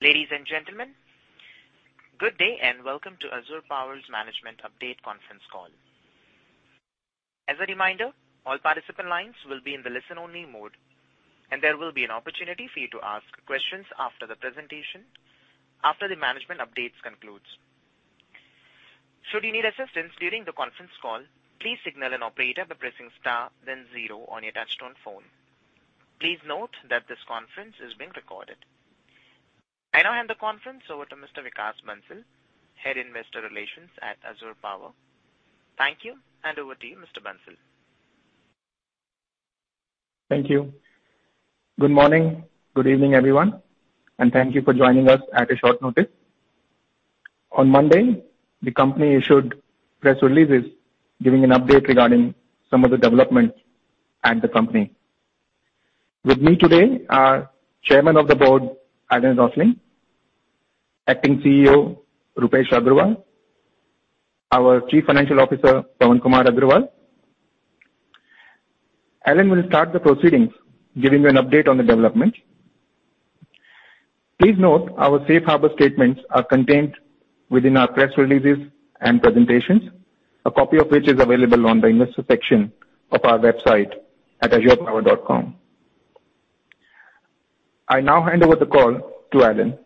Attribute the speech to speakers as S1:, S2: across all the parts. S1: Ladies and gentlemen, good day and welcome to Azure Power's management update conference call. As a reminder, all participant lines will be in the listen-only mode, and there will be an opportunity for you to ask questions after the management updates concludes. Should you need assistance during the conference call, please signal an operator by pressing star zero on your touch-tone phone. Please note that this conference is being recorded. I now hand the conference over to Mr. Vikas Bansal, Head Investor Relations at Azure Power. Thank you, and over to you, Mr. Bansal.
S2: Thank you. Good morning, good evening, everyone, and thank you for joining us at a short notice. On Monday, the company issued press releases giving an update regarding some of the developments at the company. With me today are Chairman of the Board, Alan Rosling, Acting CEO, Rupesh Agarwal, our Chief Financial Officer, Pawan Kumar Agrawal. Alan will start the proceedings giving you an update on the development. Please note our Safe Harbor statements are contained within our press releases and presentations, a copy of which is available on the investor section of our website at azurepower.com. I now hand over the call to Alan.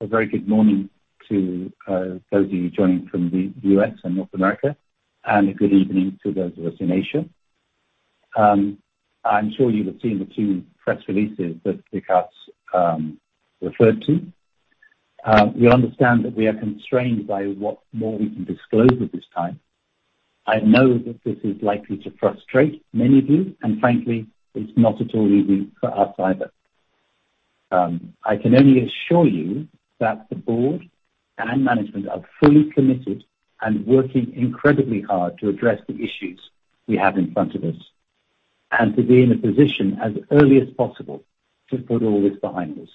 S3: A very good morning to those of you joining from the U.S. and North America, and a good evening to those of us in Asia. I'm sure you have seen the two press releases that Vikas referred to. We understand that we are constrained by what more we can disclose at this time. I know that this is likely to frustrate many of you, and frankly, it's not at all easy for us either. I can only assure you that the board and management are fully committed and working incredibly hard to address the issues we have in front of us, and to be in a position as early as possible to put all this behind us.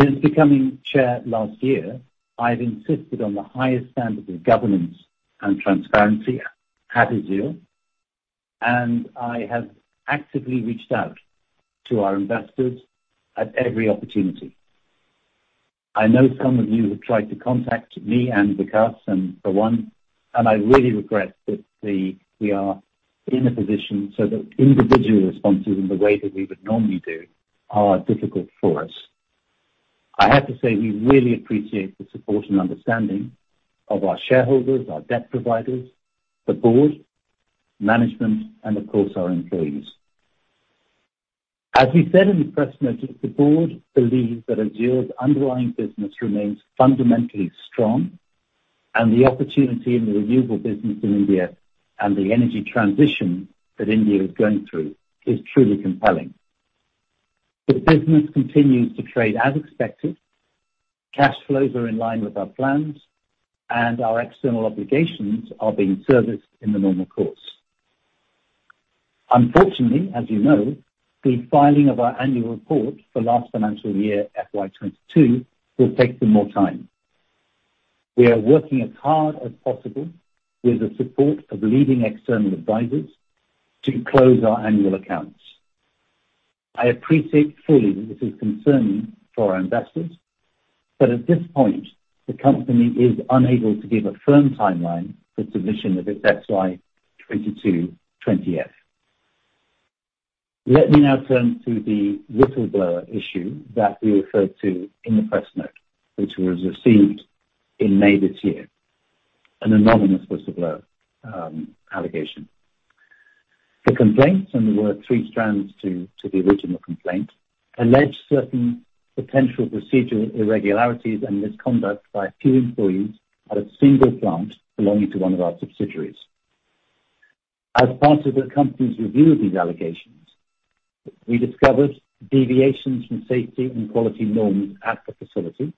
S3: Since becoming chair last year, I've insisted on the highest standard of governance and transparency at Azure, and I have actively reached out to our investors at every opportunity. I know some of you have tried to contact me and Vikas and Pawan, and I really regret that we are in a position so that individual responses in the way that we would normally do are difficult for us. I have to say, we really appreciate the support and understanding of our shareholders, our debt providers, the board, management, and of course our employees. As we said in the press note, the board believes that Azure's underlying business remains fundamentally strong, and the opportunity in the renewable business in India and the energy transition that India is going through is truly compelling. The business continues to trade as expected. Cash flows are in line with our plans, and our external obligations are being serviced in the normal course. Unfortunately, as you know, the filing of our annual report for last financial year, FY 2022, will take some more time. We are working as hard as possible with the support of leading external advisors to close our annual accounts. I appreciate fully that this is concerning for our investors, but at this point, the company is unable to give a firm timeline for submission of its FY 2022 20-F. Let me now turn to the whistleblower issue that we referred to in the press note, which was received in May this year, an anonymous whistleblower allegation. The complaints, and there were three strands to the original complaint, alleged certain potential procedural irregularities and misconduct by a few employees at a single plant belonging to one of our subsidiaries. As part of the company's review of these allegations, we discovered deviations from safety and quality norms at the facility,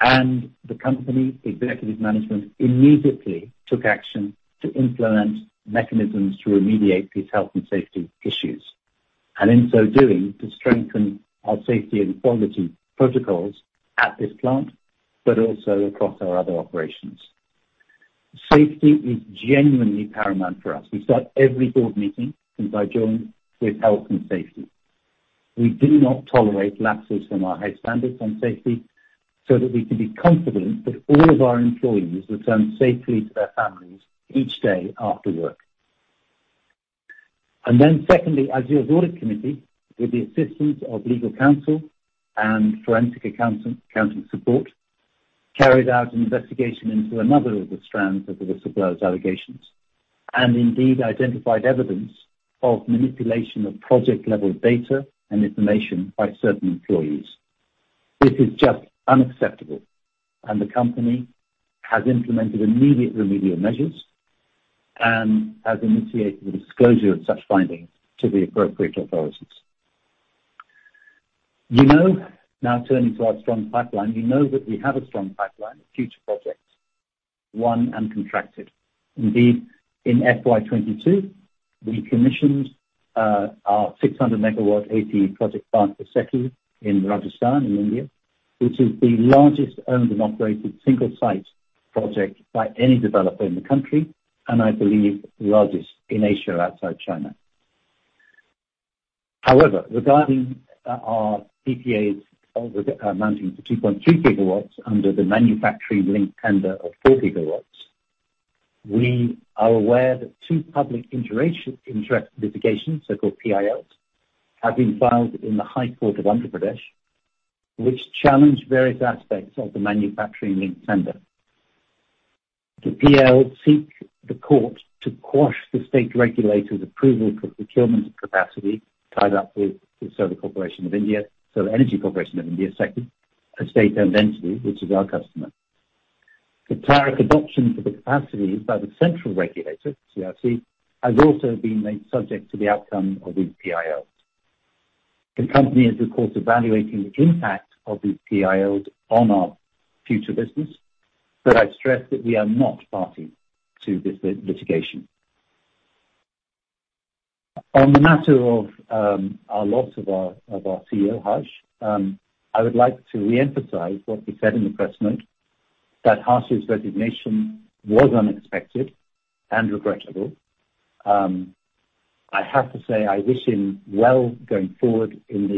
S3: and the company's executive management immediately took action to implement mechanisms to remediate these health and safety issues. In so doing, to strengthen our safety and quality protocols at this plant, but also across our other operations. Safety is genuinely paramount for us. We start every board meeting since I joined with health and safety. We do not tolerate lapses from our high standards on safety so that we can be confident that all of our employees return safely to their families each day after work. Azure's audit committee, with the assistance of legal counsel and forensic accounting support, carried out an investigation into another of the strands of the whistleblower's allegations and indeed identified evidence of manipulation of project-level data and information by certain employees. This is just unacceptable and the company has implemented immediate remedial measures and has initiated the disclosure of such findings to the appropriate authorities. You know, now turning to our strong pipeline, you know that we have a strong pipeline of future projects, won and contracted. Indeed, in FY 2022, we commissioned our 600 MW Bikaner project in Rajasthan in India, which is the largest owned and operated single-site project by any developer in the country, and I believe the largest in Asia outside China. However, regarding our PPAs amounting to 2.3 GW under the manufacturing link tender of 4 GW, we are aware that two public interest litigations, so-called PILs, have been filed in the High Court of Andhra Pradesh, which challenge various aspects of the manufacturing link tender. The PILs seek the court to quash the state regulator's approval for procurement capacity tied up with the Solar Energy Corporation of India, SECI, a state-owned entity, which is our customer. The tariff adoption for the capacity by the central regulator, CERC, has also been made subject to the outcome of these PILs. The company is of course evaluating the impact of these PILs on our future business, but I'd stress that we are not party to this litigation. On the matter of our loss of our CEO, Harsh, I would like to re-emphasize what we said in the press note that Harsh's resignation was unexpected and regrettable. I have to say I wish him well going forward in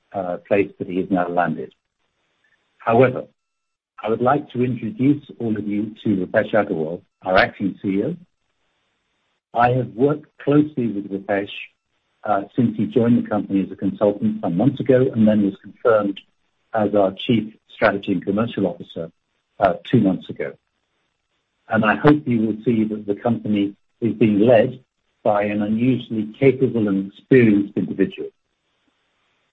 S3: the place that he has now landed. However, I would like to introduce all of you to Rupesh Agarwal, our Acting CEO. I have worked closely with Rupesh since he joined the company as a consultant some months ago and then was confirmed as our Chief Strategy and Commercial Officer two months ago. I hope you will see that the company is being led by an unusually capable and experienced individual.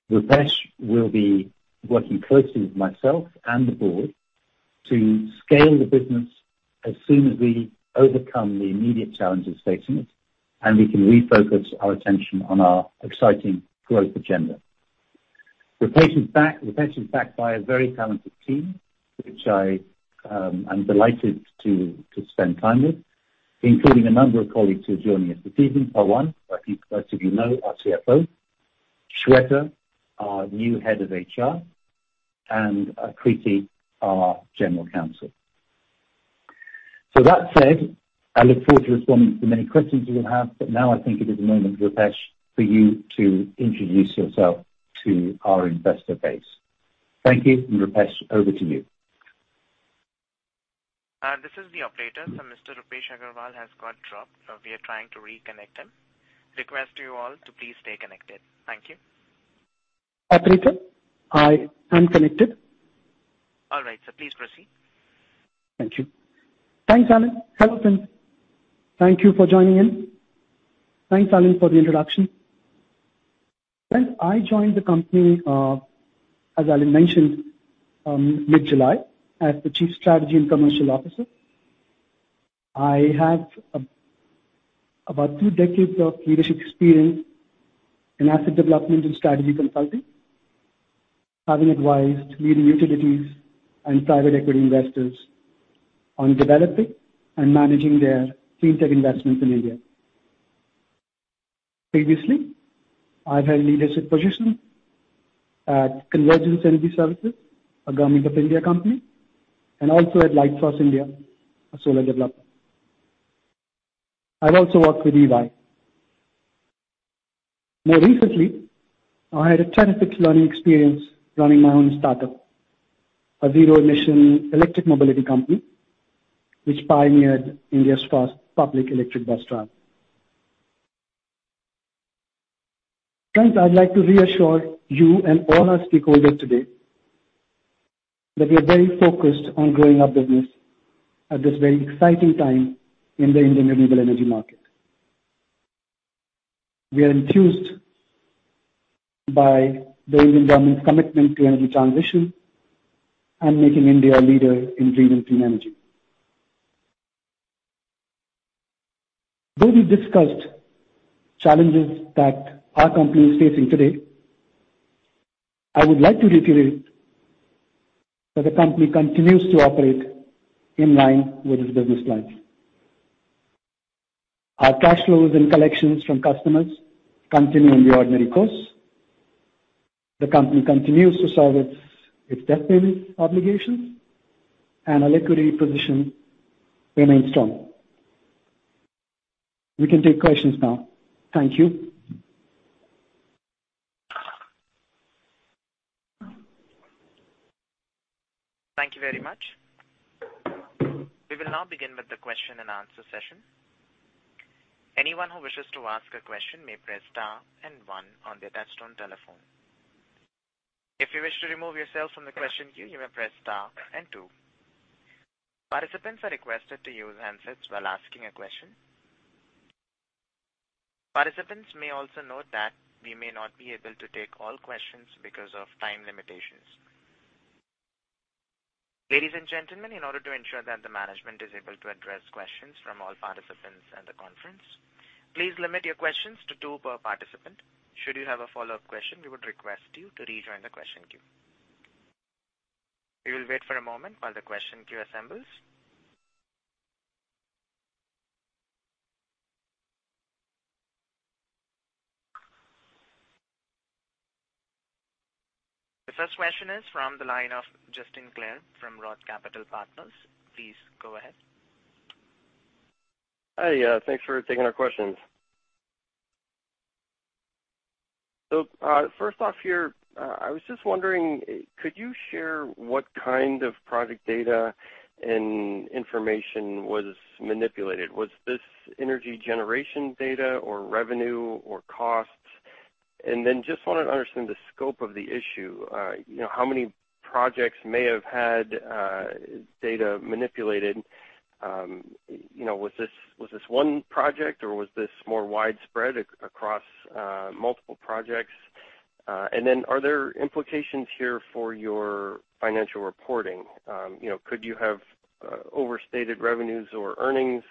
S3: Rupesh will be working closely with myself and the board to scale the business as soon as we overcome the immediate challenges facing us, and we can refocus our attention on our exciting growth agenda. Rupesh is backed by a very talented team, which I am delighted to spend time with, including a number of colleagues who are joining us this evening. Pawan, who I think most of you know, our CFO. Shweta, our new head of HR, and Akriti, our general counsel. That said, I look forward to responding to the many questions you will have, but now I think it is the moment, Rupesh, for you to introduce yourself to our investor base. Thank you. Rupesh, over to you.
S1: This is the operator. Mr. Rupesh Agarwal has got dropped. We are trying to reconnect him. Request you all to please stay connected. Thank you.
S4: Operator, I am connected.
S1: All right, sir. Please proceed.
S4: Thank you. Thanks, Alan. Hello, friends. Thank you for joining in. Thanks, Alan, for the introduction. Friends, I joined the company as Alan mentioned, mid-July as the chief strategy and commercial officer. I have about two decades of leadership experience in asset development and strategy consulting, having advised leading utilities and private equity investors on developing and managing their clean tech investments in India. Previously, I've held leadership positions at Convergence Energy Services, a Government of India company, and also at Lightsource India, a solar developer. I've also worked with EY. More recently, I had a terrific learning experience running my own startup, a zero-emission electric mobility company, which pioneered India's first public electric bus route. Friends, I'd like to reassure you and all our stakeholders today that we are very focused on growing our business at this very exciting time in the Indian renewable energy market. We are enthused by the Indian government's commitment to energy transition and making India a leader in green and clean energy. Though we discussed challenges that our company is facing today, I would like to reiterate that the company continues to operate in line with its business plans. Our cash flows and collections from customers continue in the ordinary course. The company continues to serve its debt payment obligations, and our liquidity position remains strong. We can take questions now. Thank you.
S1: Thank you very much. We will now begin with the question and answer session. Anyone who wishes to ask a question may press star and one on their touch-tone telephone. If you wish to remove yourself from the question queue, you may press star and two. Participants are requested to use handsets while asking a question. Participants may also note that we may not be able to take all questions because of time limitations. Ladies and gentlemen, in order to ensure that the management is able to address questions from all participants in the conference, please limit your questions to two per participant. Should you have a follow-up question, we would request you to rejoin the question queue. We will wait for a moment while the question queue assembles. The first question is from the line of Justin Clare from Roth Capital Partners. Please go ahead.
S5: Hi. Thanks for taking our questions. First off here, I was just wondering, could you share what kind of project data and information was manipulated? Was this energy generation data or revenue or costs? Then just wanted to understand the scope of the issue. You know, how many projects may have had data manipulated? You know, was this one project or was this more widespread across multiple projects? Then are there implications here for your financial reporting? You know, could you have overstated revenues or earnings?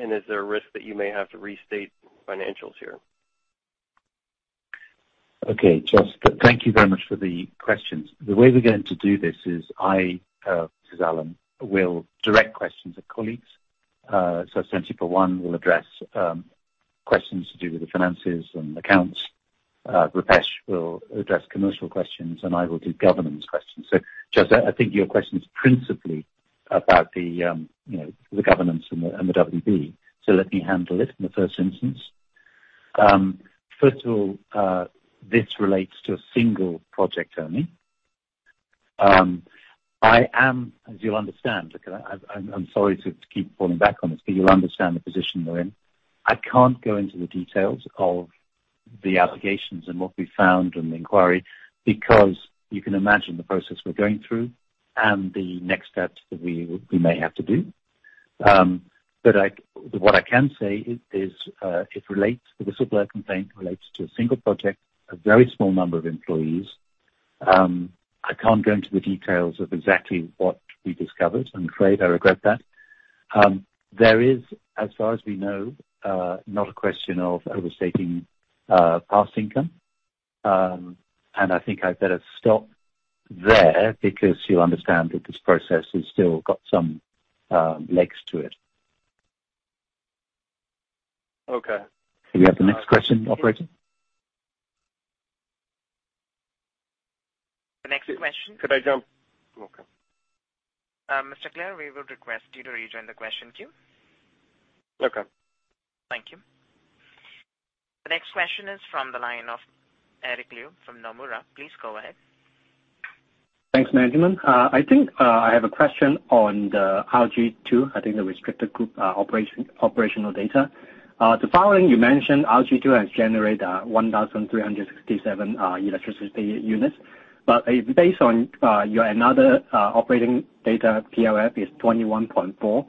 S5: Is there a risk that you may have to restate financials here?
S3: Okay, Justin, thank you very much for the questions. The way we're going to do this is this is Alan. I will direct questions to colleagues. Since Pawan will address questions to do with the finances and accounts, Rupesh will address commercial questions, and I will do governance questions. Justin, I think your question is principally about the governance and the whistleblower, so let me handle it in the first instance. First of all, this relates to a single project only. As you'll understand, look, I'm sorry to keep falling back on this, but you'll understand the position we're in. I can't go into the details of the allegations and what we found in the inquiry because you can imagine the process we're going through and the next steps that we may have to do. What I can say is, it relates to the supplier complaint, relates to a single project, a very small number of employees. I can't go into the details of exactly what we discovered. I'm afraid I regret that. There is, as far as we know, not a question of overstating past income. I think I better stop there because you'll understand that this process has still got some legs to it.
S5: Okay.
S3: Can we have the next question, operator?
S1: The next question.
S5: Could I jump? Welcome.
S1: Mr. Clare, we will request you to rejoin the question queue.
S5: Okay.
S1: Thank you. The next question is from the line of Eric Liu from Nomura. Please go ahead.
S6: Thanks, management. I think I have a question on the RG-II, I think the restricted group operational data. The following, you mentioned RG-II has generated 1,367 electricity units. Based on your another operating data, PLF is 21.4%.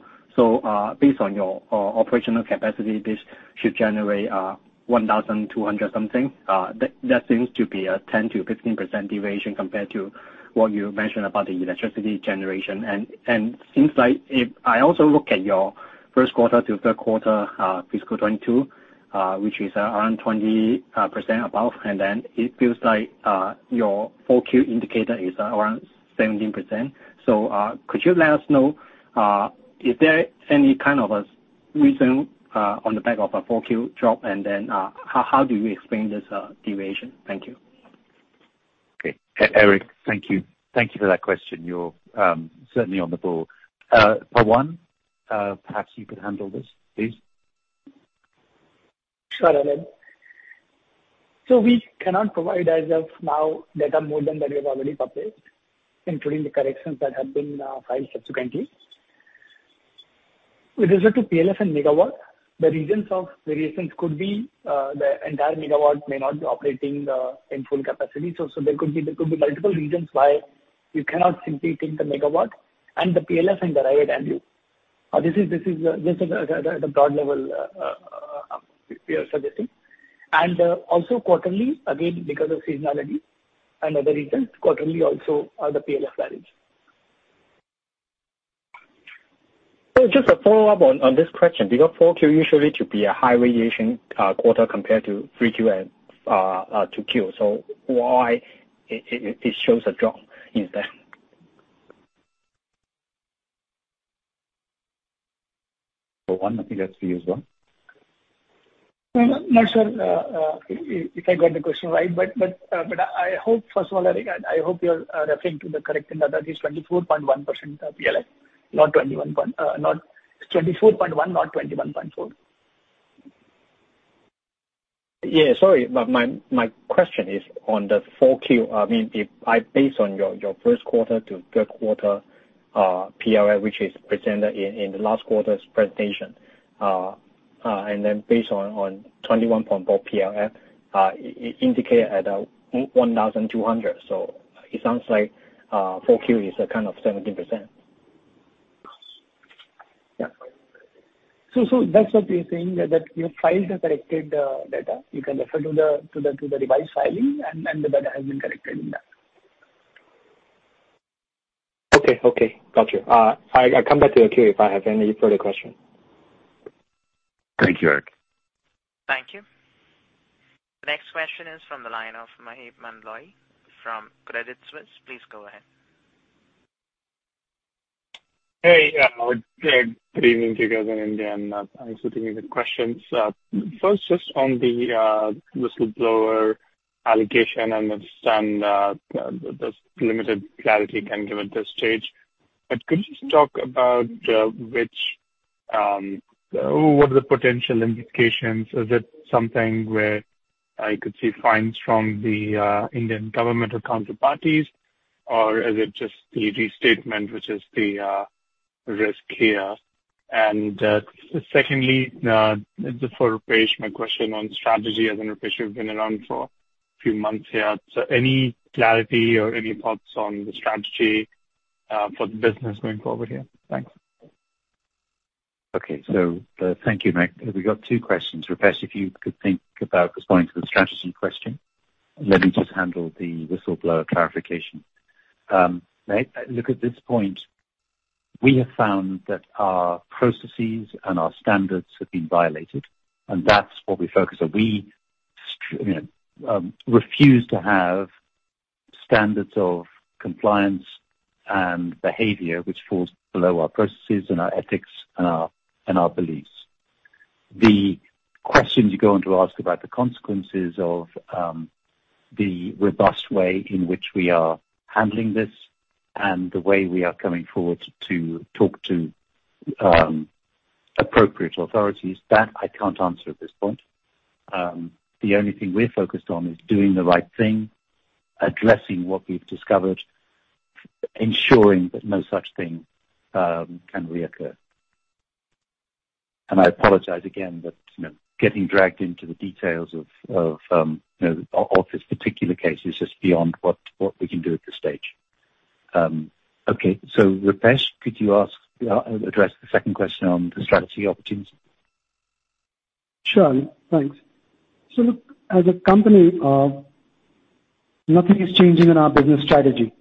S6: Based on your operational capacity, this should generate 1,200 something. That seems to be a 10%-15% deviation compared to what you mentioned about the electricity generation. Seems like if I also look at your first quarter to third quarter FY 2022, which is around 20% above, and then it feels like your 4Q indicator is around 17%. Could you let us know, is there any kind of a reason on the back of a 4Q drop? How do you explain this deviation? Thank you.
S3: Okay. Eric, thank you. Thank you for that question. You're certainly on the ball. Pawan, perhaps you could handle this, please.
S7: Sure, Alan. We cannot provide as of now data more than what we have already published, including the corrections that have been filed subsequently. With regard to PLF and megawatt, the reasons for variations could be the entire megawatt may not be operating in full capacity. There could be multiple reasons why you cannot simply take the megawatt and the PLF and derive the value. This is the broad level we are suggesting. Also, quarterly, again, because of seasonality and other reasons, quarterly also are the PLF values.
S6: Just a follow-up on this question. Because 4Q usually should be a high radiation quarter compared to 3Q and 2Q. Why it shows a drop in that?
S3: Pawan, I think that's for you as well.
S7: No, not sure if I got the question right, but I hope, first of all, Eric, I hope you're referring to the correct data. That is 24.1% PLF, not 21.4%.
S6: Yeah. Sorry. My question is on the 4Q. I mean, if I based on your first quarter to third quarter PLF, which is presented in the last quarter's presentation, and then based on 21.4% PLF indicated at 1,200. It sounds like 4Q is kind of 17%.
S7: Yeah. That's what we're saying, that you filed the corrected data. You can refer to the revised filing and the data has been corrected in that.
S6: Okay. Got you. I come back to the queue if I have any further question.
S3: Thank you, Eric.
S1: Thank you. The next question is from the line of Maheep Mandloi from Credit Suisse. Please go ahead.
S8: Hey, good evening to you guys in India, and thanks for taking the questions. First, just on the whistleblower allegation, I understand there's limited clarity you can give at this stage. Could you just talk about what are the potential implications? Is it something where I could see fines from the Indian government or counterparties? Or is it just the restatement, which is the risk here? Secondly, this is for Rupesh, my question on strategy. I know, Rupesh, you've been around for a few months here. Any clarity or any thoughts on the strategy for the business going forward here? Thanks.
S3: Okay. Thank you, Maheep. We got two questions. Rupesh, if you could think about responding to the strategy question. Let me just handle the whistleblower clarification. Maheep, look, at this point, we have found that our processes and our standards have been violated, and that's what we're focused on. We, you know, refuse to have standards of compliance and behavior which falls below our processes and our ethics and our, and our beliefs. The question you're going to ask about the consequences of the robust way in which we are handling this and the way we are coming forward to talk to appropriate authorities, that I can't answer at this point. The only thing we're focused on is doing the right thing, addressing what we've discovered, ensuring that no such thing can reoccur. I apologize again, but, you know, getting dragged into the details of this particular case is just beyond what we can do at this stage. Okay, Rupesh, could you address the second question on the strategy opportunity?
S4: Sure. Thanks. Look, as a company, nothing is changing in our business strategy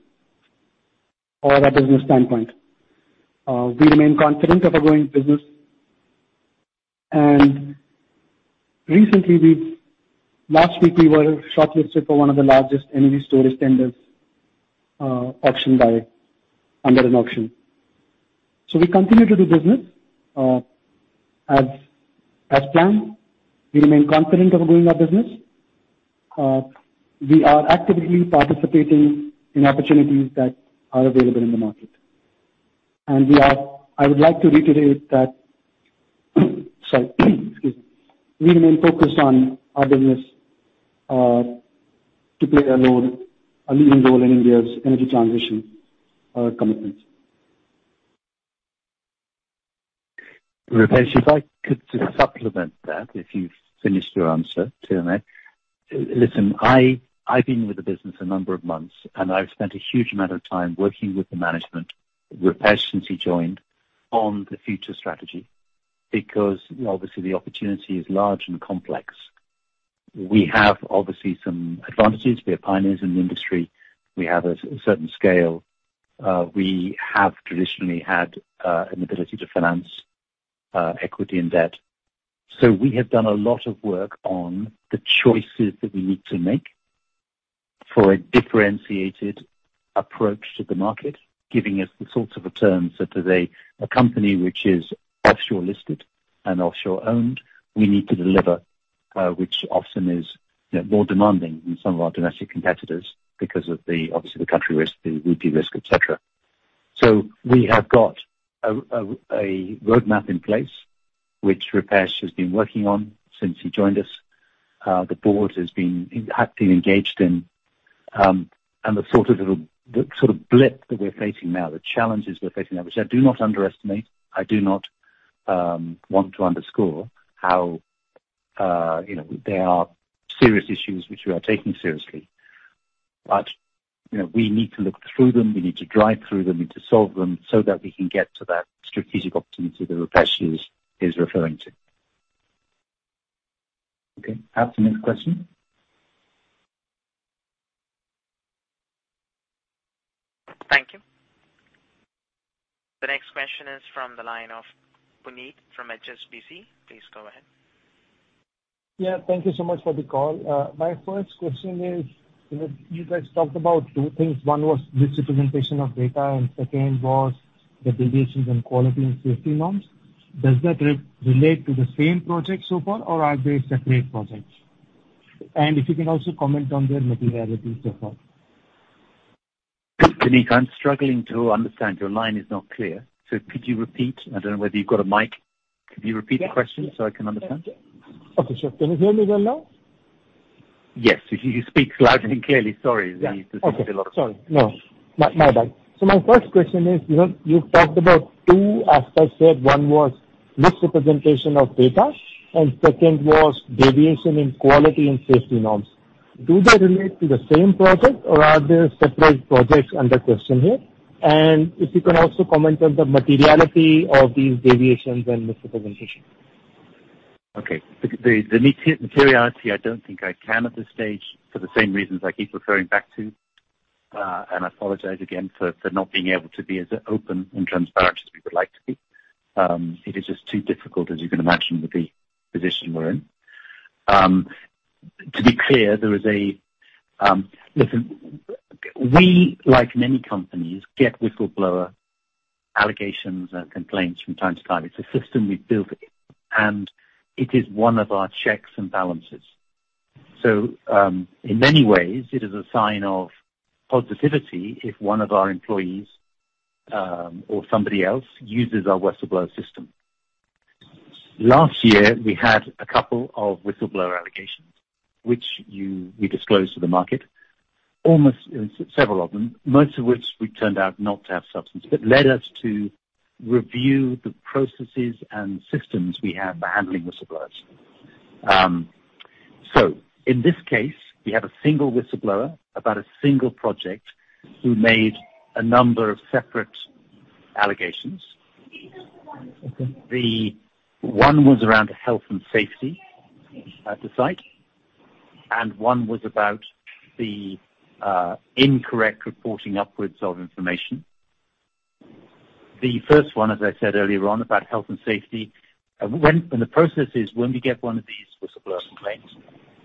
S4: or our business standpoint. We remain confident of our growing business. Last week we were shortlisted for one of the largest energy storage tenders, auctioned by SECI under an auction. We continue to do business, as planned. We remain confident of growing our business. We are actively participating in opportunities that are available in the market. I would like to reiterate that, sorry, excuse me. We remain focused on our business to play a role, a leading role in India's energy transition, commitment.
S3: Rupesh Agarwal, if I could just supplement that, if you've finished your answer to Maheep Mandloi. Listen, I've been with the business a number of months, and I've spent a huge amount of time working with the management, Rupesh Agarwal since he joined, on the future strategy, because obviously the opportunity is large and complex. We have, obviously, some advantages. We are pioneers in the industry. We have a certain scale. We have traditionally had an ability to finance equity and debt. We have done a lot of work on the choices that we need to make for a differentiated approach to the market, giving us the sorts of returns that as a company which is offshore-listed and offshore-owned, we need to deliver, which often is, you know, more demanding than some of our domestic competitors because of the, obviously, the country risk, the rupee risk, et cetera. We have got a roadmap in place which Rupesh has been working on since he joined us. The board has been engaged in, and the sort of blip that we're facing now, the challenges we're facing now, which I do not underestimate. I do not want to understate how, you know, there are serious issues which we are taking seriously. You know, we need to look through them, we need to drive through them, we need to solve them so that we can get to that strategic opportunity that Rupesh is referring to.
S8: Okay. Pass to next question.
S1: Thank you. The next question is from the line of Puneet from HSBC. Please go ahead.
S9: Yeah. Thank you so much for the call. My first question is, you know, you guys talked about two things. One was misrepresentation of data, and second was the deviations in quality and safety norms. Does that relate to the same project so far, or are they separate projects? If you can also comment on their materialities so far.
S3: Puneet, I'm struggling to understand. Your line is not clear. Could you repeat? I don't know whether you've got a mic. Could you repeat the question so I can understand?
S9: Okay, sure. Can you hear me well now?
S3: Yes. If you speak loudly and clearly. Sorry.
S9: My bad. My first question is, you know, you've talked about two aspects here. One was misrepresentation of data, and second was deviation in quality and safety norms. Do they relate to the same project, or are there separate projects under question here? If you can also comment on the materiality of these deviations and misrepresentation?
S3: Okay. The materiality, I don't think I can at this stage for the same reasons I keep referring back to, and I apologize again for not being able to be as open and transparent as we would like to be. It is just too difficult, as you can imagine, with the position we're in. To be clear, listen, we like many companies get whistleblower allegations and complaints from time to time. It's a system we've built, and it is one of our checks and balances. In many ways, it is a sign of positivity if one of our employees or somebody else uses our whistleblower system. Last year, we had a couple of whistleblower allegations, which we disclosed to the market. Almost, several of them, most of which turned out not to have substance, but led us to review the processes and systems we have for handling whistleblowers. In this case, we had a single whistleblower about a single project who made a number of separate allegations. The one was around health and safety at the site, and one was about the incorrect reporting upwards of information. The first one, as I said earlier on, about health and safety. The process is when we get one of these whistleblower complaints,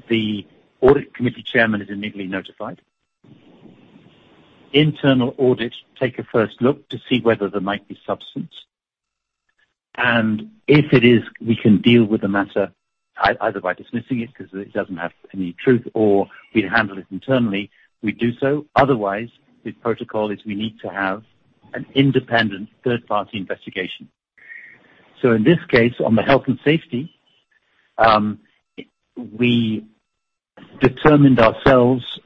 S3: the audit committee chairman is immediately notified. Internal audit take a first look to see whether there might be substance. If it is, we can deal with the matter either by dismissing it, 'cause it doesn't have any truth, or we handle it internally, we do so. Otherwise, the protocol is we need to have an independent third party investigation. In this case, on the health and safety, we determined ourselves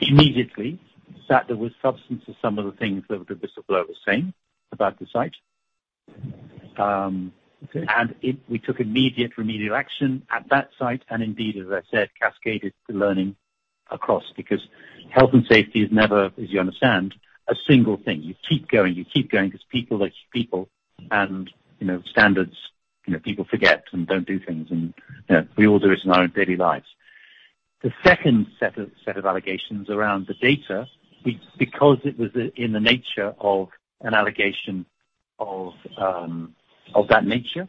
S3: immediately that there was substance to some of the things that the whistleblower was saying about the site.
S9: Okay.
S3: We took immediate remedial action at that site and indeed, as I said, cascaded the learning across. Because health and safety is never, as you understand, a single thing. You keep going, 'cause people are people and, you know, standards, you know, people forget and don't do things and, you know, we all do it in our own daily lives. The second set of allegations around the data, because it was in the nature of an allegation of that nature,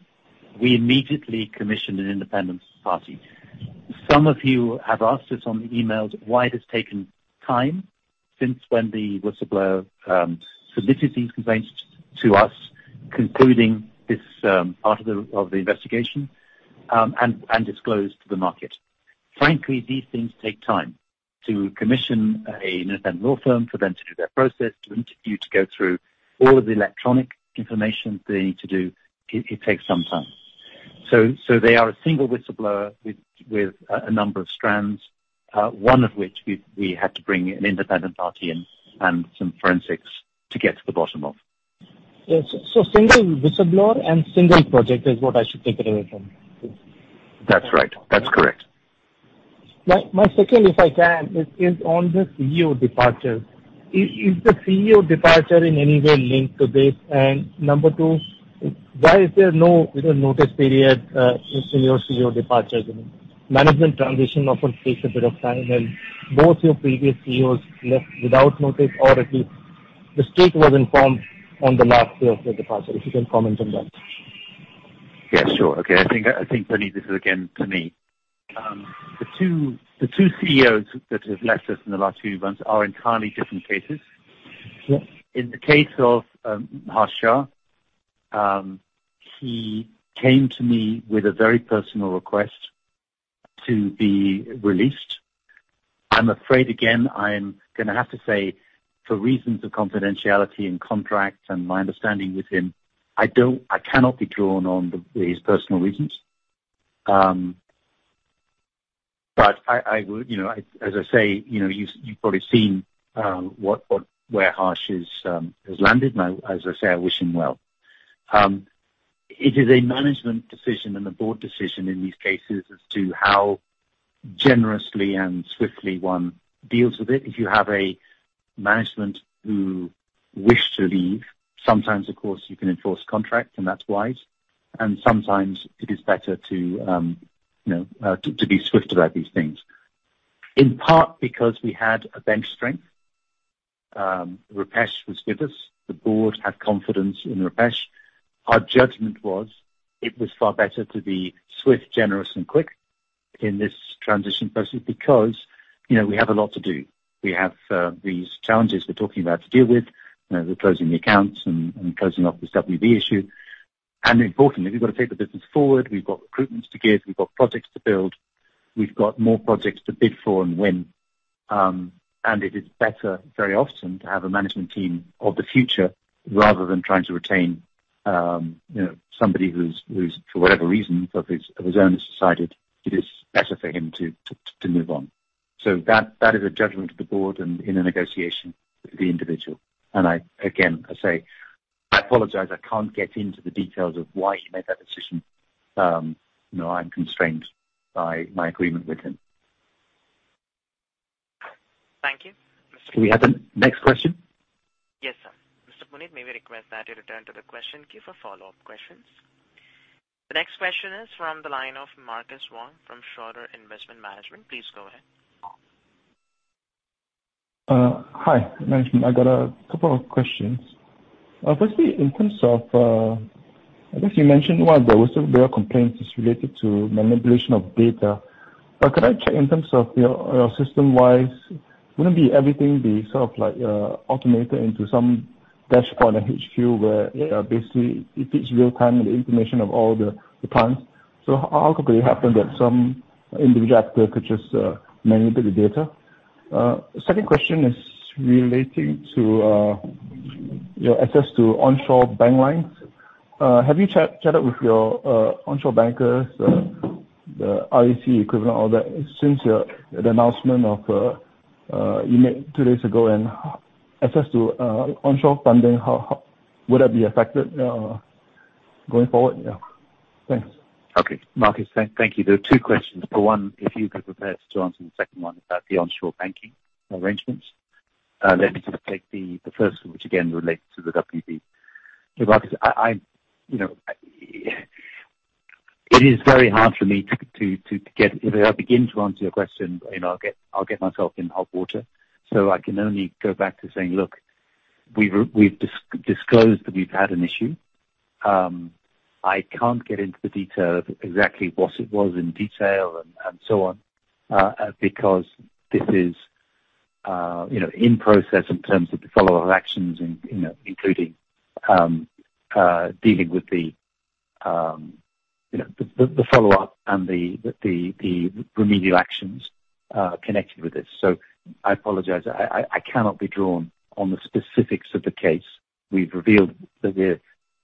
S3: we immediately commissioned an independent party. Some of you have asked us on the emails why it has taken time since when the whistleblower submitted these complaints to us concluding this part of the investigation and disclosed to the market. Frankly, these things take time. To commission an independent law firm for them to do their process, to interview, to go through all of the electronic information they need to do, it takes some time. They are a single whistleblower with a number of strands, one of which we had to bring an independent party in and some forensics to get to the bottom of.
S9: Yes. Single whistleblower and single project is what I should take away from this.
S3: That's right. That's correct.
S9: My second, if I can, is on the CEO departure. Is the CEO departure in any way linked to this? Number two, why is there no, you know, notice period in senior CEO departures? I mean, management transition often takes a bit of time, and both your previous CEOs left without notice or at least the street was informed on the last day of their departure. If you can comment on that.
S3: Yeah, sure. Okay. I think, Puneet, this is again to me. The two CEOs that have left us in the last two months are entirely different cases.
S9: Yes.
S3: In the case of Harsh Shah, he came to me with a very personal request to be released. I'm afraid, again, I'm gonna have to say for reasons of confidentiality and contract and my understanding with him, I cannot be drawn on these personal reasons. I would, you know, as I say, you know, you've probably seen where Harsh has landed. Now, as I say, I wish him well. It is a management decision and a board decision in these cases as to how generously and swiftly one deals with it. If you have a management who wish to leave, sometimes of course you can enforce contract and that's wise, and sometimes it is better to, you know, to be swift about these things. In part because we had a bench strength, Rupesh was with us. The board had confidence in Rupesh. Our judgment was it was far better to be swift, generous and quick in this transition process because, you know, we have a lot to do. We have these challenges we're talking about to deal with. You know, we're closing the accounts and closing off this WB issue. Importantly, we've got to take the business forward. We've got recruitments to give. We've got projects to build. We've got more projects to bid for and win. It is better very often to have a management team of the future rather than trying to retain, you know, somebody who's for whatever reason of his own has decided it is better for him to move on. That is a judgment of the board and in a negotiation with the individual. I, again I say, I apologize, I can't get into the details of why he made that decision. You know, I'm constrained by my agreement with him.
S9: Thank you.
S3: Can we have the next question?
S1: Yes, sir. Mr. Puneet, may we request that you return to the question queue for follow-up questions. The next question is from the line of Marcus Wong from Schroders Investment Management. Please go ahead.
S10: Hi. I got a couple of questions. Firstly, in terms of, I guess you mentioned one of those, there were complaints related to manipulation of data. Could I check in terms of your system-wise, wouldn't everything be sort of like automated into some dashboard or HQ where basically it takes real time the information of all the plants. How could it happen that some individual actor could just manipulate the data? Second question is relating to your access to onshore bank lines. Have you chatted with your onshore bankers, the REC equivalent, all that, since the announcement you made two days ago, and access to onshore funding, how would that be affected going forward? Yeah. Thanks.
S3: Okay, Marcus Wong, thank you. There are two questions. For one, if you could prepare to answer the second one about the onshore banking arrangements. Let me just take the first one, which again relates to the whistleblower. Look, you know, it is very hard for me to get. If I begin to answer your question, you know, I'll get myself in hot water, so I can only go back to saying, "Look, we've disclosed that we've had an issue." I can't get into the detail of exactly what it was in detail and so on, because this is, you know, in process in terms of the follow-up actions and, you know, including dealing with the, you know, the follow-up and the remedial actions connected with this. I apologize. I cannot be drawn on the specifics of the case. We've revealed that we're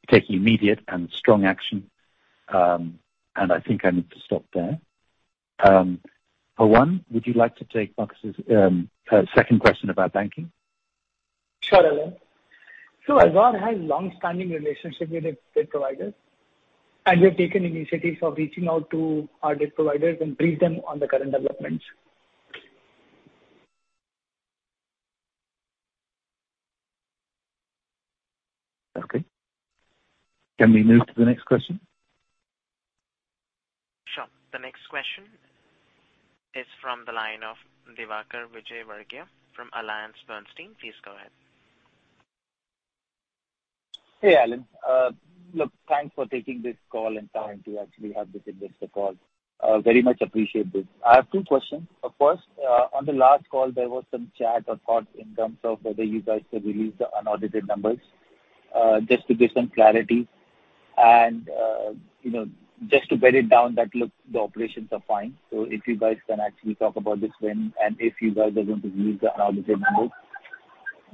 S3: taking immediate and strong action, and I think I need to stop there. Pawan, would you like to take Marcus's second question about banking?
S7: Sure, Alan. Azure has longstanding relationship with its debt providers, and we have taken initiatives of reaching out to our debt providers and brief them on the current developments.
S3: Okay. Can we move to the next question?
S1: Sure. The next question is from the line of Diwakar Vijayvergia from AllianceBernstein. Please go ahead.
S11: Hey, Alan. Look, thanks for taking this call and time to actually have this investor call. Very much appreciate this. I have two questions. The first, on the last call, there was some chat or thoughts in terms of whether you guys could release the unaudited numbers, just to give some clarity and, you know, just to bed it down that, look, the operations are fine. If you guys can actually talk about this when and if you guys are going to release the unaudited numbers.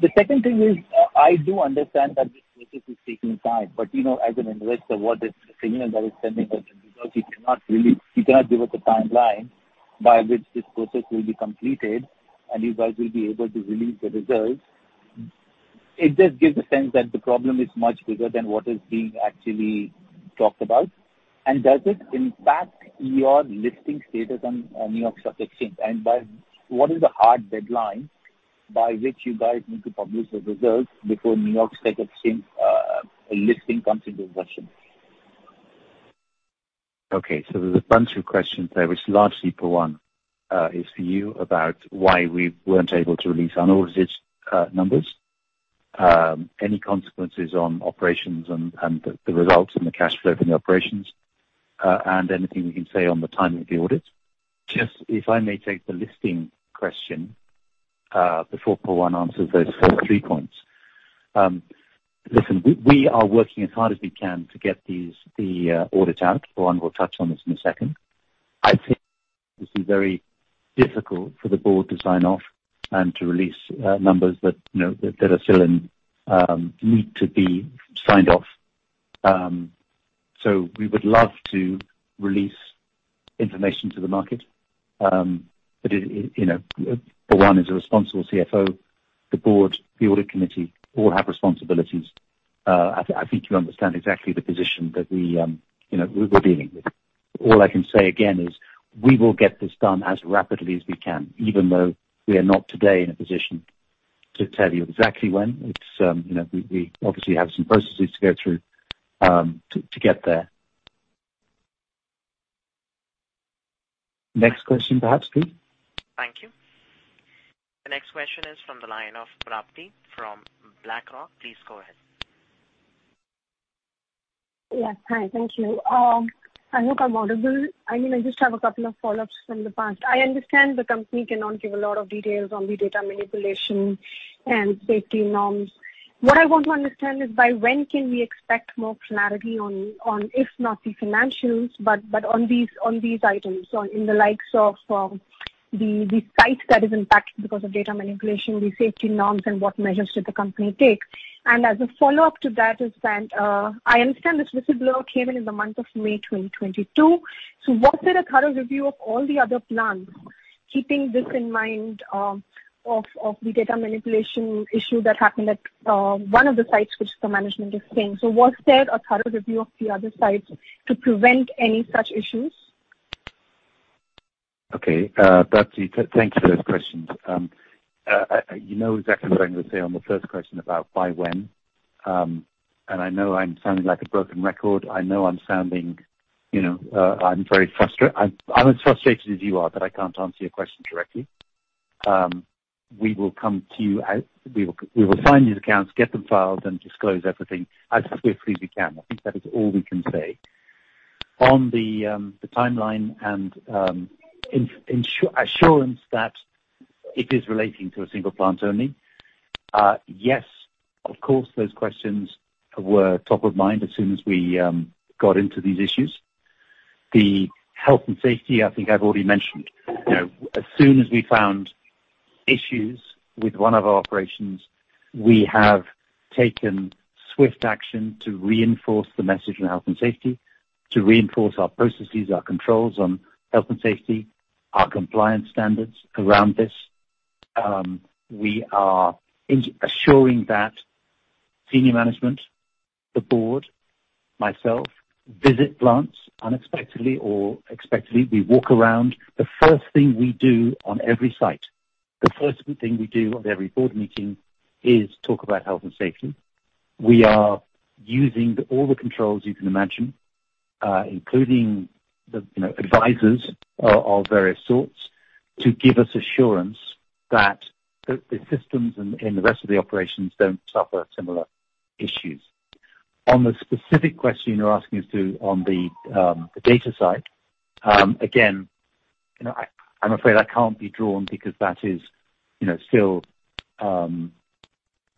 S11: The second thing is, I do understand that this process is taking time, but, you know, as an investor, what is the signal that is sending that because you cannot release, you cannot give us a timeline by which this process will be completed and you guys will be able to release the results. It just gives a sense that the problem is much bigger than what is being actually talked about. Does it impact your listing status on the New York Stock Exchange? What is the hard deadline by which you guys need to publish the results before New York Stock Exchange listing comes into question?
S3: Okay. There's a bunch of questions there, which largely, Pawan, is for you about why we weren't able to release unaudited numbers. Any consequences on operations and the results and the cash flow from the operations, and anything we can say on the timing of the audits. Just if I may take the listing question before Pawan answers those first three points. Listen, we are working as hard as we can to get the audits out. Pawan will touch on this in a second. I think this is very difficult for the board to sign off and to release numbers that, you know, that are still in need to be signed off. We would love to release information to the market. You know, Pawan is a responsible CFO, the board, the audit committee all have responsibilities. I think you understand exactly the position that we're dealing with. All I can say again is we will get this done as rapidly as we can, even though we are not today in a position to tell you exactly when. It's we obviously have some processes to go through to get there. Next question, perhaps, please.
S1: Thank you. The next question is from the line of Prapti from BlackRock. Please go ahead.
S12: Yes. Hi. Thank you. I hope I'm audible. I mean, I just have a couple of follow-ups from the past. I understand the company cannot give a lot of details on the data manipulation and safety norms. What I want to understand is by when can we expect more clarity on, if not the financials, but on these items, in the likes of, the sites that is impacted because of data manipulation, the safety norms and what measures did the company take. As a follow-up to that, I understand this whistleblower came in in the month of May 2022. So was there a thorough review of all the other plants, keeping this in mind, of the data manipulation issue that happened at one of the sites which the management is saying? Was there a thorough review of the other sites to prevent any such issues?
S3: Okay. Prapti, thank you for those questions. You know exactly what I'm gonna say on the first question about by when. I know I'm sounding like a broken record. You know, I'm as frustrated as you are that I can't answer your question directly. We will find these accounts, get them filed, and disclose everything as swiftly as we can. I think that is all we can say. On the timeline and assurance that it is relating to a single plant only, yes, of course, those questions were top of mind as soon as we got into these issues. The health and safety, I think I've already mentioned. You know, as soon as we found issues with one of our operations, we have taken swift action to reinforce the message on health and safety, to reinforce our processes, our controls on health and safety, our compliance standards around this. We are assuring that senior management, the board, myself, visit plants unexpectedly or expectedly. We walk around. The first thing we do on every site, the first thing we do on every board meeting is talk about health and safety. We are using all the controls you can imagine, including you know advisors of various sorts, to give us assurance that the systems in the rest of the operations don't suffer similar issues. On the specific question you're asking as to on the the data side, again, you know, I'm afraid I can't be drawn because that is, you know, still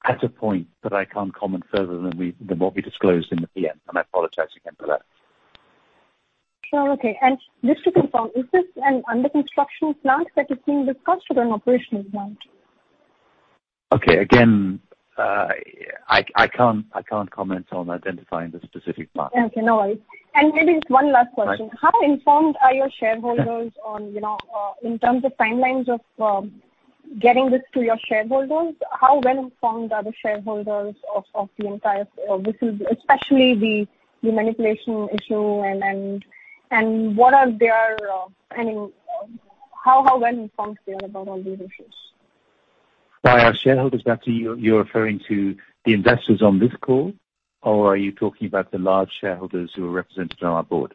S3: at a point that I can't comment further than what we disclosed in the PM, and I apologize again for that.
S12: Sure. Okay. Just to confirm, is this an under-construction plant that you're seeing this cost or an operational plant?
S3: Okay. Again, I can't comment on identifying the specific plant.
S12: Okay, no worries. Maybe just one last question.
S3: Right.
S12: How informed are your shareholders on, you know, in terms of timelines of getting this to your shareholders, how well-informed are the shareholders of the entire, this is especially the manipulation issue and what are their, I mean, how well-informed they are about all these issues?
S3: By our shareholders, Bhakti, you're referring to the investors on this call, or are you talking about the large shareholders who are represented on our board?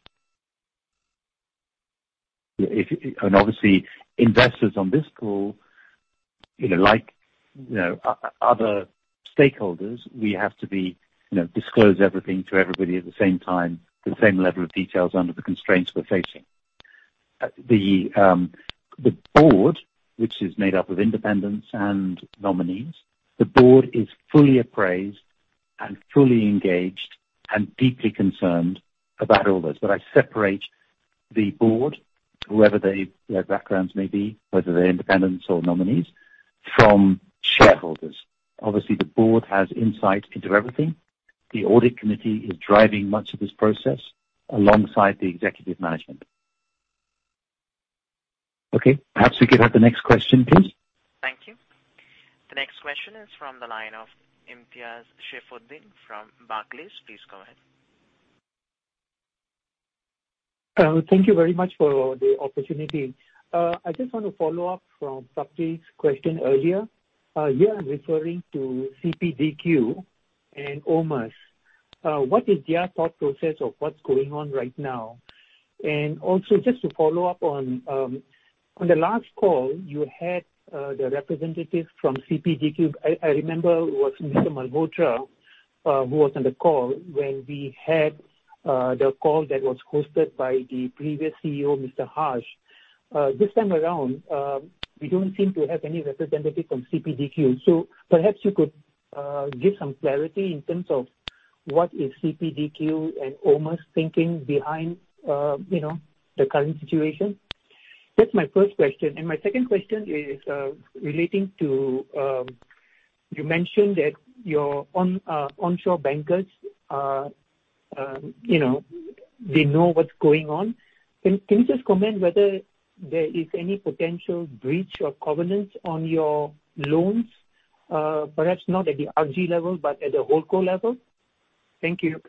S3: Obviously, investors on this call, you know, like, you know, other stakeholders, we have to be, you know, disclose everything to everybody at the same time, the same level of details under the constraints we're facing. The board, which is made up of independents and nominees, the board is fully appraised and fully engaged and deeply concerned about all this. I separate the board, whoever they, their backgrounds may be, whether they're independents or nominees, from shareholders. Obviously, the board has insight into everything. The audit committee is driving much of this process alongside the executive management. Okay, perhaps we could have the next question, please.
S1: Thank you. The next question is from the line of Imtiaz Shefuddin from Barclays. Please go ahead.
S13: Thank you very much for the opportunity. I just want to follow up from Bhakti's question earlier. Here I'm referring to CDPQ and OMERS. What is their thought process of what's going on right now? Also just to follow up on the last call you had, the representative from CDPQ. I remember it was Mr. Malhotra, who was on the call when we had the call that was hosted by the previous CEO, Mr. Harsh Shah. This time around, we don't seem to have any representative from CDPQ. Perhaps you could give some clarity in terms of what is CDPQ and OMERS thinking behind, you know, the current situation. That's my first question. My second question is relating to you mentioned that your onshore bankers are you know they know what's going on. Can you just comment whether there is any potential breach of covenant on your loans? Perhaps not at the RG level, but at the whole company level. Thank you.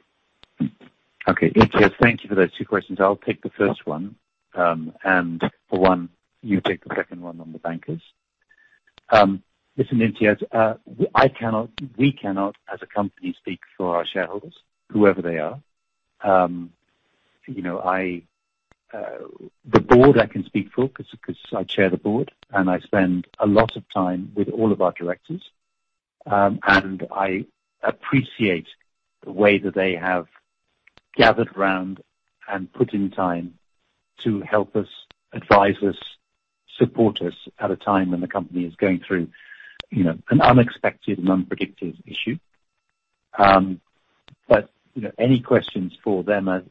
S3: Okay. Imtiaz, thank you for those two questions. I'll take the first one, and Pawan, you take the second one on the bankers. Listen, Imtiaz, we cannot as a company speak for our shareholders, whoever they are. You know, I, the board I can speak for 'cause I chair the board, and I spend a lot of time with all of our directors. And I appreciate the way that they have gathered round and put in time to help us, advise us, support us at a time when the company is going through, you know, an unexpected and unpredicted issue. But, you know, any questions for them as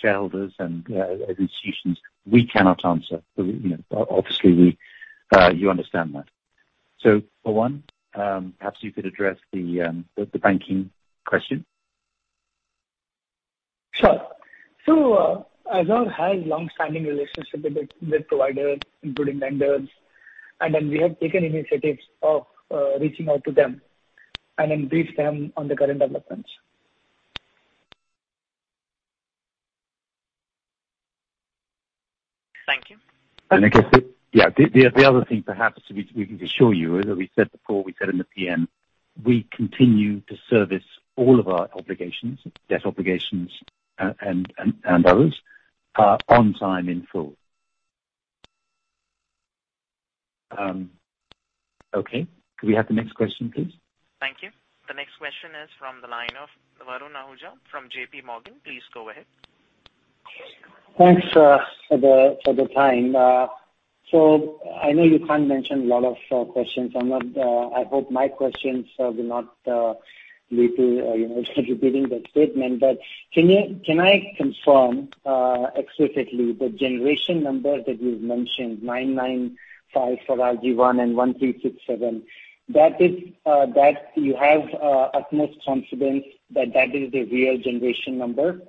S3: shareholders and as institutions, we cannot answer. You know, obviously, we, you understand that. So, Pawan, perhaps you could address the banking question.
S7: Sure. Azure has longstanding relationship with providers, including lenders. We have taken initiatives of reaching out to them and then briefed them on the current developments. Thank you.
S3: I guess yeah, the other thing perhaps that we can assure you, as we said before, we said in the PM, we continue to service all of our obligations, debt obligations and others, on time in full. Okay. Could we have the next question, please?
S7: Thank you. The next question is from the line of Varun Ahuja from JPMorgan. Please go ahead.
S14: Thanks for the time. I know you can't answer a lot of questions. I hope my questions will not lead to, you know, repeating the statement. Can I confirm explicitly the generation number that you've mentioned, 995 for RG-I and 1,367? That is, that you have utmost confidence that that is the real generation number.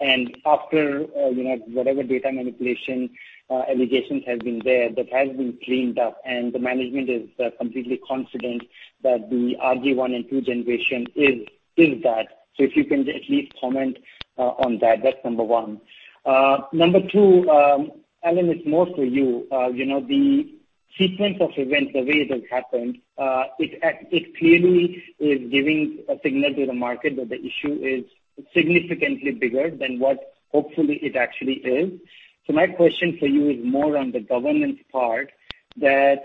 S14: After, you know, whatever data manipulation allegations have been there, that has been cleaned up and the management is completely confident that the RG-I and RG-II generation is that. If you can at least comment on that. That's number one. Number two, Alan, it's more for you. You know, the sequence of events, the way it has happened, it clearly is giving a signal to the market that the issue is significantly bigger than what hopefully it actually is. My question for you is more on the governance part that,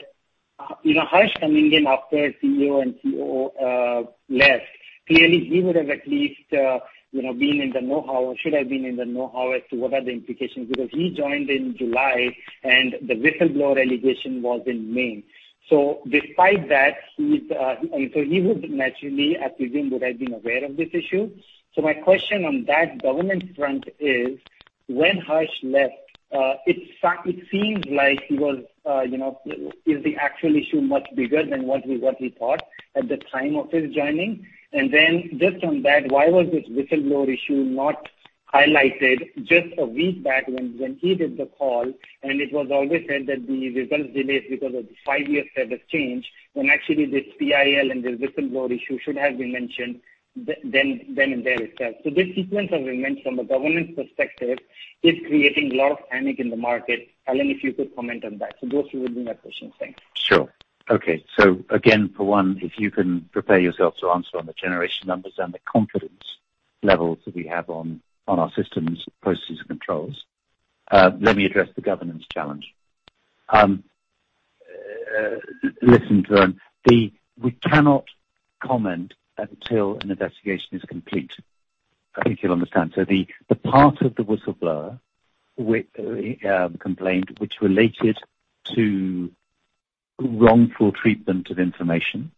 S14: you know, Harsh coming in after CEO and COO left, clearly he would have at least, you know, been in the know-how or should have been in the know-how as to what are the implications. Because he joined in July and the whistleblower allegation was in May. Despite that, he's. He would naturally, I presume, would have been aware of this issue. My question on that governance front is, when Harsh left, it seems like he was, you know, is the actual issue much bigger than what he thought at the time of his joining? Just on that, why was this whistleblower issue not highlighted just a week back when he did the call and it was always said that the results delayed because of the five-year service change, when actually this PIL and this whistleblower issue should have been mentioned then and there itself. This sequence, as we mentioned from the governance perspective, is creating a lot of panic in the market. Alan, if you could comment on that. Those two would be my questions. Thanks.
S3: Sure. Okay. Again, Pawan, if you can prepare yourself to answer on the generation numbers and the confidence levels that we have on our systems, processes and controls. Let me address the governance challenge. Listen, Varun. We cannot comment until an investigation is complete. I think you'll understand. The part of the whistleblower complaint, which related to wrongful treatment of information,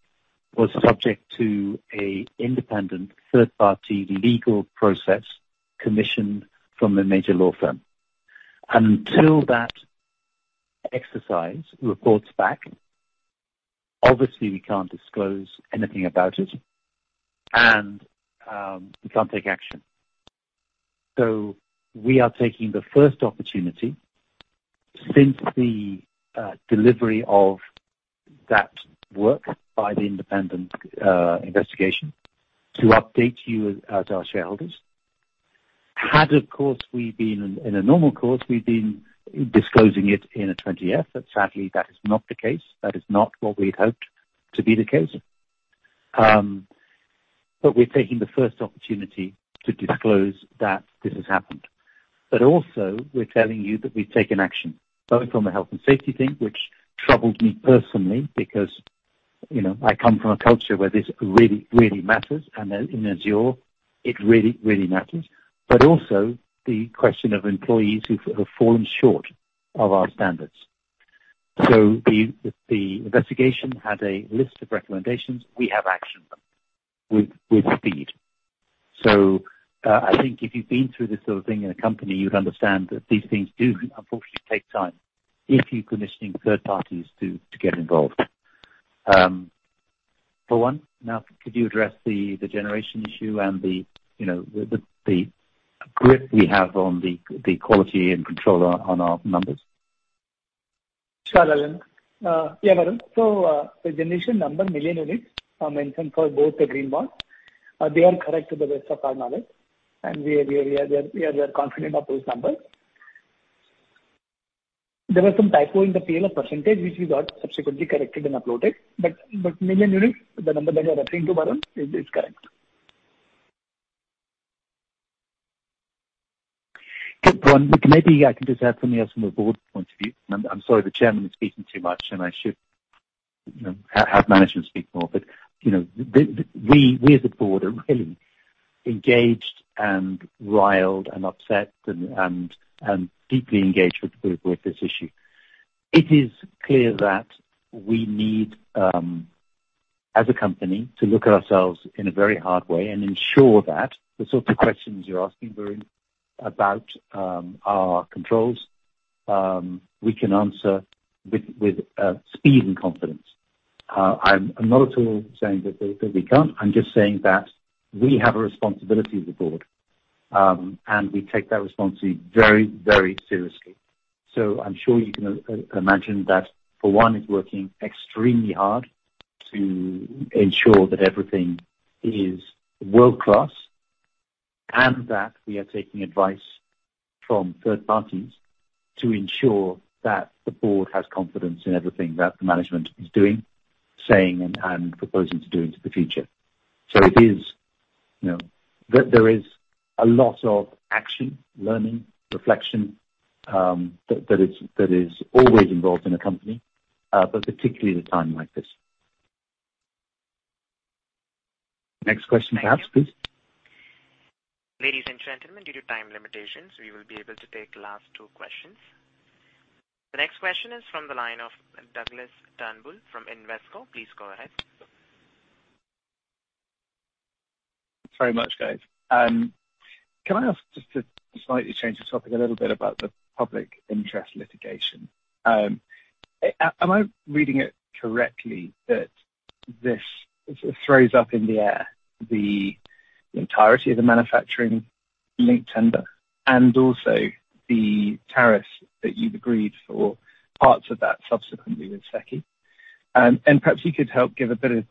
S3: was subject to an independent third party legal process commissioned from a major law firm. Until that exercise reports back, obviously we can't disclose anything about it and we can't take action. We are taking the first opportunity since the delivery of that work by the independent investigation to update you as our shareholders. Had we, of course, been in a normal course, we would have been disclosing it in a 20-F, but sadly, that is not the case. That is not what we'd hoped to be the case. We're taking the first opportunity to disclose that this has happened. Also we're telling you that we've taken action, both from a health and safety thing, which troubled me personally because, you know, I come from a culture where this really, really matters and in Azure it really, really matters. Also the question of employees who have fallen short of our standards. The investigation had a list of recommendations. We have actioned them with speed. I think if you've been through this sort of thing in a company, you'd understand that these things do unfortunately take time if you're commissioning third parties to get involved. Pawan, now could you address the generation issue and, you know, the grip we have on the quality and control on our numbers?
S7: Sure, Alan. Varun. The generation number, million units, mentioned for both the green bonds, they are correct to the best of our knowledge. We are confident of those numbers. There were some typos in the PLF percentage which we got subsequently corrected and uploaded. Million units, the number that you are referring to, Varun, is correct.
S3: Pawan, maybe I can just add something else from a board point of view. I'm sorry the chairman is speaking too much, and I should, you know, have management speak more. You know, we as a board are really engaged and riled and upset and deeply engaged with this issue. It is clear that we need as a company to look at ourselves in a very hard way and ensure that the sorts of questions you're asking, Varun, about our controls, we can answer with speed and confidence. I'm not at all saying that we can't. I'm just saying that we have a responsibility as a board, and we take that responsibility very seriously. I'm sure you can imagine that, for one, it's working extremely hard to ensure that everything is world-class and that we are taking advice from third parties to ensure that the board has confidence in everything that the management is doing, saying, and proposing to do into the future. It is, you know. There is a lot of action, learning, reflection that is always involved in a company, but particularly at a time like this. Next question perhaps, please.
S1: Ladies and gentlemen, due to time limitations, we will be able to take last two questions. The next question is from the line of Douglas Turnbull from Invesco. Please go ahead.
S15: Thanks very much guys. Can I ask just to slightly change the topic a little bit about the public interest litigation? Am I reading it correctly that this throws up in the air the entirety of the manufacturing-linked tender and also the tariffs that you've agreed for parts of that subsequently with SECI? And perhaps you could help give a bit of,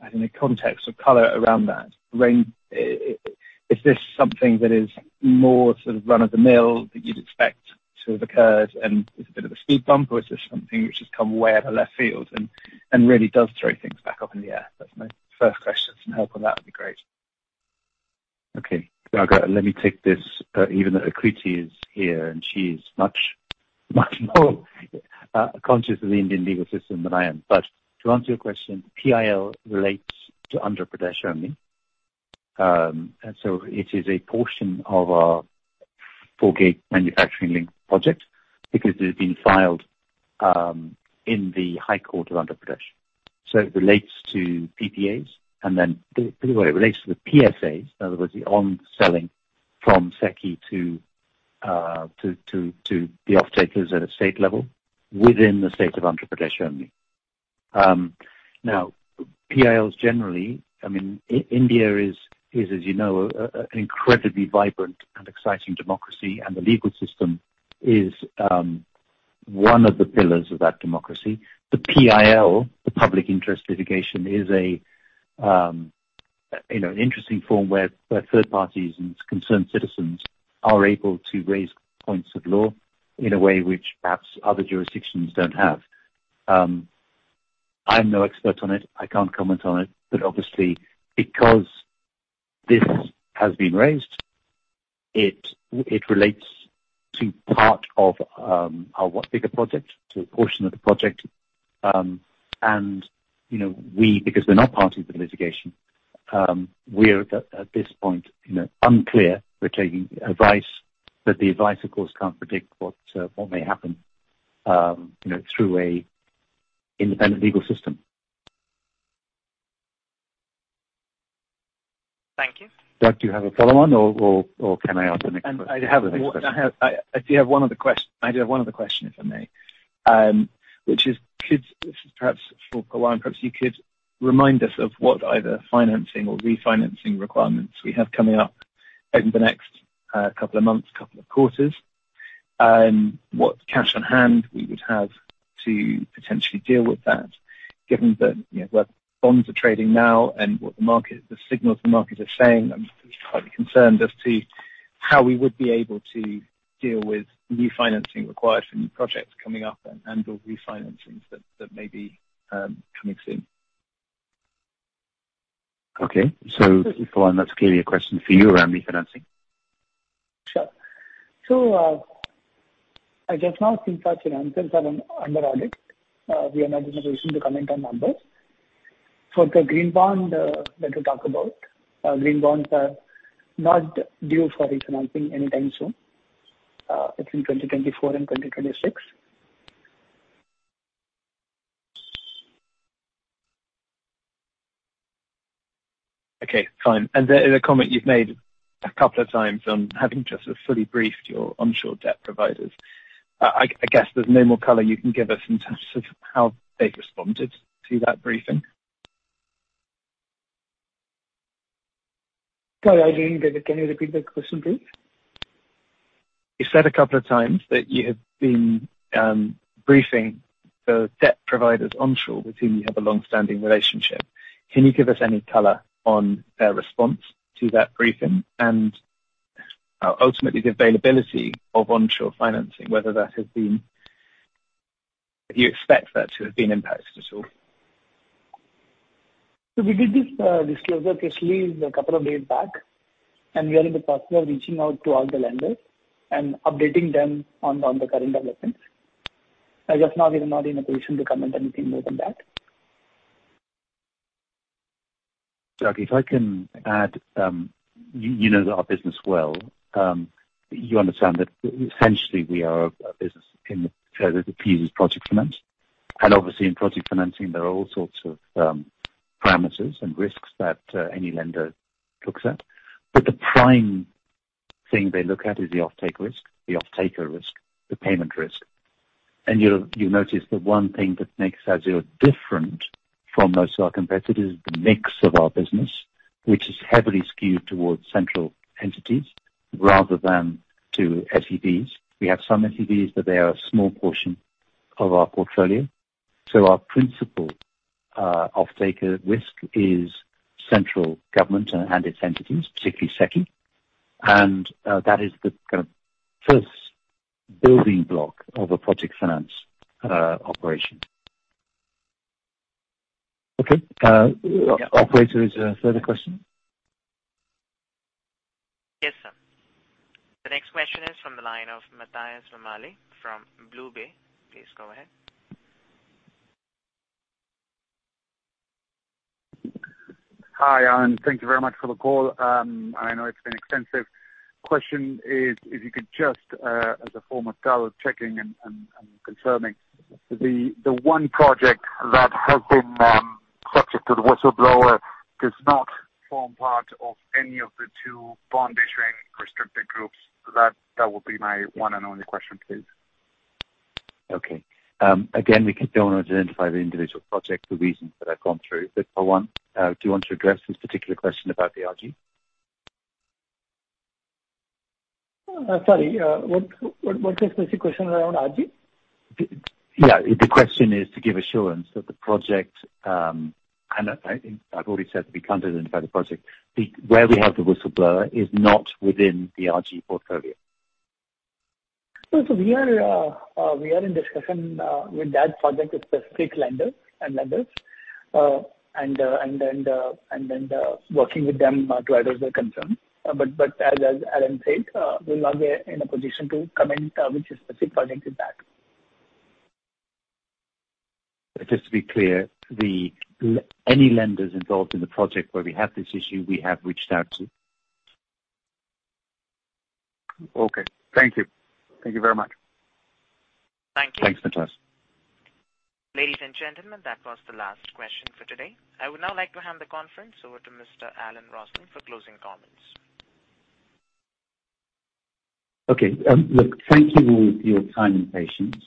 S15: I don't know, context or color around that. When is this something that is more sort of run-of-the-mill that you'd expect to have occurred and is a bit of a speed bump, or is this something which has come way out of left field and really does throw things back up in the air? That's my first question. Some help on that would be great.
S3: Okay. Douglas, let me take this, even though Akriti is here, and she is much, much more conscious of the Indian legal system than I am. To answer your question, PIL relates to Andhra Pradesh only. It is a portion of our 4 GW manufacturing-linked project because it has been filed in the High Court of Andhra Pradesh. It relates to PPAs and then. Well, it relates to the PSAs. In other words, the on-selling from SECI to the off-takers at a state level within the state of Andhra Pradesh only. PILs generally, I mean, India is, as you know, incredibly vibrant and exciting democracy, and the legal system is one of the pillars of that democracy. The PIL, the Public Interest Litigation, is an interesting form where third parties and concerned citizens are able to raise points of law in a way which perhaps other jurisdictions don't have. I'm no expert on it. I can't comment on it, but obviously, because this has been raised, it relates to part of our bigger project, so a portion of the project. We, because we're not party to the litigation, we're at this point unclear. We're taking advice, but the advice, of course, can't predict what may happen through an independent legal system.
S15: Thank you.
S3: Doug, do you have a follow on, or can I answer the next question?
S15: I have one other question, if I may. Which is, this is perhaps for Pawan. Perhaps you could remind us of what either financing or re-financing requirements we have coming up over the next couple of months, couple of quarters. What cash on hand we would have to potentially deal with that, given that, you know, where bonds are trading now and what the market, the signals the market are saying, I'm slightly concerned as to how we would be able to deal with re-financing required for new projects coming up and or re-financings that may be coming soon.
S3: Okay. Pawan, that's clearly a question for you around re-financing.
S7: I just now think that your answers are under audit. We are not in a position to comment on numbers. For the green bond that you talk about, green bonds are not due for re-financing anytime soon, between 2024 and 2026.
S15: Okay, fine. The comment you've made a couple of times on having just fully briefed your onshore debt providers, I guess there's no more color you can give us in terms of how they've responded to that briefing?
S7: Sorry, I didn't get it. Can you repeat the question, please?
S15: You said a couple of times that you have been briefing the debt providers onshore with whom you have a long-standing relationship. Can you give us any color on their response to that briefing and ultimately the availability of onshore financing? Do you expect that to have been impacted at all?
S7: We did this disclosure officially a couple of days back, and we are in the process of reaching out to all the lenders and updating them on the current developments. I guess now we are not in a position to comment anything more than that.
S3: Doug, if I can add, you know our business well. You understand that essentially we are a business that appeals project finance. Obviously in project financing there are all sorts of parameters and risks that any lender looks at. The prime thing they look at is the offtake risk, the off-taker risk, the payment risk. You'll notice the one thing that makes Adani different from most of our competitors is the mix of our business, which is heavily skewed towards central entities rather than to SEBs. We have some SEBs, but they are a small portion of our portfolio. Our principal offtaker risk is central government and its entities, particularly SECI. That is the kind of first building block of a project finance operation. Okay. Operator, is there a further question?
S1: Yes, sir. The next question is from the line of Matías Vammalle from BlueBay. Please go ahead.
S16: Hi, Alan. Thank you very much for the call. I know it's been extensive. Question is, if you could just, as a form of double checking and confirming, the one project that has been subject to the whistleblower does not form part of any of the two bond issuing restricted groups? That would be my one and only question, please.
S3: Okay. Again, don't wanna identify the individual project, the reasons that I've gone through. Pawan, do you want to address this particular question about the RG?
S7: What's the specific question around RG?
S3: Yeah. The question is to give assurance that the project, and I think I've already said that we can't identify the project where we have the whistleblower is not within the RG portfolio.
S7: We are in discussion with that project with specific lender and lenders, and then working with them to address their concerns. As Alan said, we're not in a position to comment which specific project is that.
S3: Just to be clear, any lenders involved in the project where we have this issue, we have reached out to.
S16: Okay. Thank you. Thank you very much.
S1: Thank you.
S3: Thanks, Matías.
S1: Ladies and gentlemen, that was the last question for today. I would now like to hand the conference over to Mr. Alan Rosling for closing comments.
S3: Okay. Look, thank you all for your time and patience.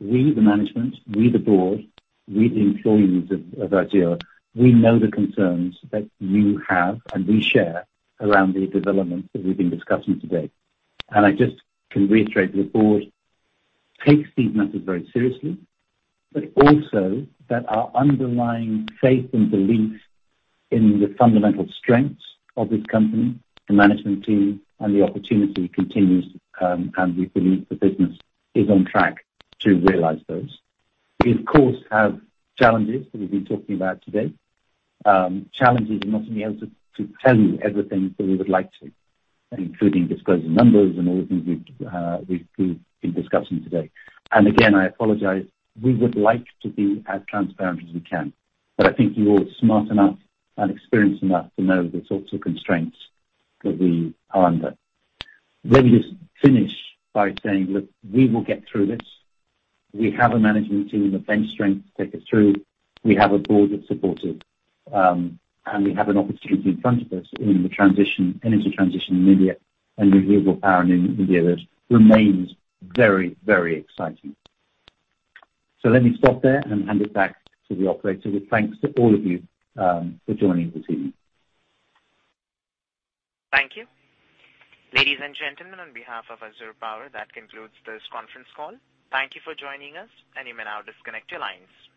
S3: We, the management, the board, the employees of Azure, know the concerns that you have, and we share around the developments that we've been discussing today. I just can reiterate, the board takes these matters very seriously, but also that our underlying faith and belief in the fundamental strengths of this company, the management team, and the opportunity continues, and we believe the business is on track to realize those. We of course have challenges that we've been talking about today. Challenges of not being able to tell you everything that we would like to, including disclosing numbers and all the things we've been discussing today. Again, I apologize, we would like to be as transparent as we can, but I think you all are smart enough and experienced enough to know the sorts of constraints that we are under. Let me just finish by saying, look, we will get through this. We have a management team of bench strength to take us through. We have a board that's supportive. We have an opportunity in front of us in the energy transition in India and renewable power in India that remains very, very exciting. Let me stop there and hand it back to the operator with thanks to all of you for joining this evening.
S1: Thank you. Ladies and gentlemen, on behalf of Azure Power, that concludes this conference call. Thank you for joining us, and you may now disconnect your lines.